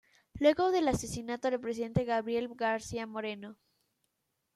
Luego del asesinato del presidente Gabriel García Moreno.